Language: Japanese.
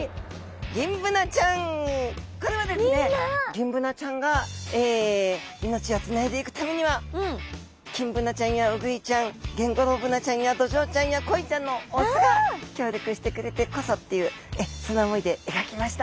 ギンブナちゃんが命をつないでいくためにはキンブナちゃんやウグイちゃんゲンゴロウブナちゃんやドジョウちゃんやコイちゃんの雄が協力してくれてこそっていうそんな思いで描きました。